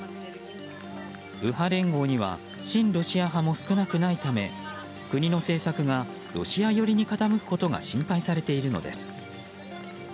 右派連合には親ロシア派も少なくないため国の政策がロシア寄りに傾くことが心配されているのです。